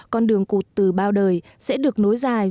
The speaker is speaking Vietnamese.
con đường cụt từ bao đời sẽ được nối dài